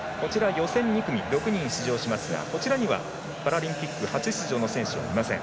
予選２組、６人出場しますがこちらにはパラリンピック初出場の選手はいません。